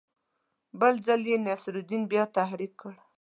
بل ځل یې نصرالدین بیا تحریک کړ.